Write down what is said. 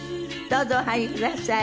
どうぞお入りください。